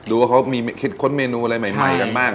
ดูว่าเขามีคิดค้นเมนูอะไรใหม่กันบ้าง